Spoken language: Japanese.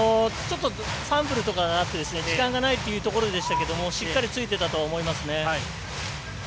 ファンブルとかがあって時間がないというところでしたがしっかりついてたと思います。